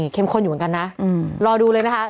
ข้นอยู่เหมือนกันนะรอดูเลยนะคะ